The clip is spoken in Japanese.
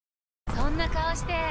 そんな顔して！